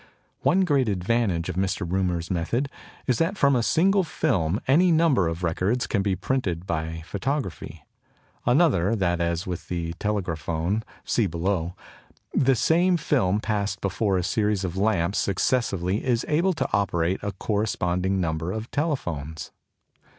One great advantage of Mr. Ruhmer's method is that from a single film any number of records can be printed by photography; another, that, as with the Telegraphone (see below), the same film passed before a series of lamps successively is able to operate a corresponding number of telephones.